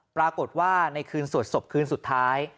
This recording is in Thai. ปรากฏว่าในคืนสวดศพคืนสุดท้าย